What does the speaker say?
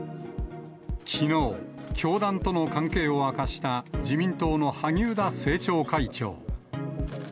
きのう、教団との関係を明かした、自民党の萩生田政調会長。